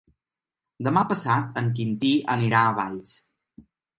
Demà passat en Quintí anirà a Valls.